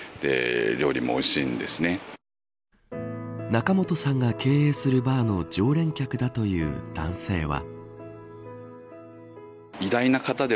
仲本さんが経営するバーの常連客だという男性は。